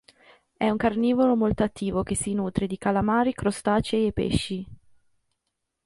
È un carnivoro molto attivo che si nutre di calamari, crostacei e pesci.